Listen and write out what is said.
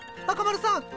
赤丸さん。